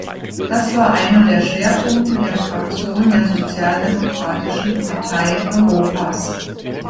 Das war einer der Schwerpunkte der Fraktion der Sozialdemokratischen Partei Europas.